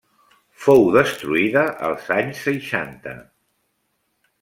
Fou destruïda els anys seixanta.